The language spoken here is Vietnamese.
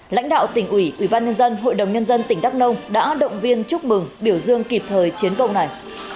lãnh đạo tỉnh ủy ủy ban nhân dân hội đồng nhân dân tỉnh đắk nông đã động viên chúc mừng biểu dương kịp thời chiến công này